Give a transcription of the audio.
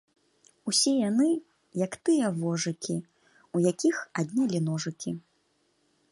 Усе яны, як тыя вожыкі, у якіх аднялі ножыкі.